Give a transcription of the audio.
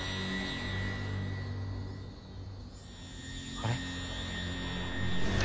あれ？